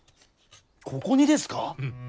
ここにですか！？